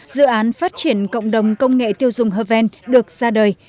dự án phát triển cộng đồng công nghệ tiêu dùng haven được ra đời